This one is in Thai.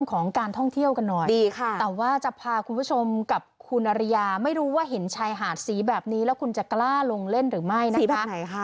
ของการท่องเที่ยวกันหน่อยดีค่ะแต่ว่าจะพาคุณผู้ชมกับคุณอริยาไม่รู้ว่าเห็นชายหาดสีแบบนี้แล้วคุณจะกล้าลงเล่นหรือไม่นะคะ